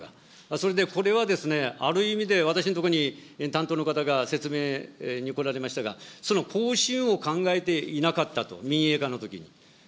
それでこれはですね、ある意味で、私のところに担当の方が説明に来られましたが、その更新を考えていなかったと、民営化のときに。